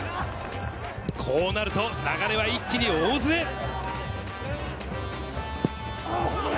こうなると流れは一気に大津へ。